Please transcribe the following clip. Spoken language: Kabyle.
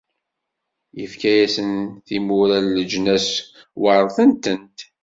Ifka-asen timura n leǧnas, weṛten-tent.